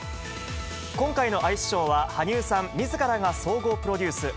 今回のアイスショーは、羽生さんみずからが総合プロデュース。